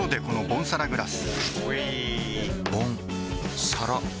ボンサラグラス！